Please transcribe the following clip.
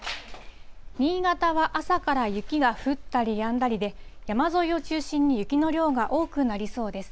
新潟は朝から雪が降ったりやんだりで、山沿いを中心に雪の量が多くなりそうです。